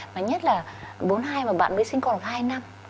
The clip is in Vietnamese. mà nhất là bốn hai mà bạn mới sinh con được hai năm